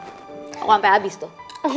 aku sampe abis tuh